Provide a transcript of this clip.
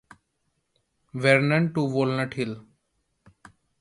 Vernon to Walnut Hill.